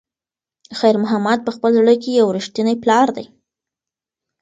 خیر محمد په خپل زړه کې یو رښتینی پلار دی.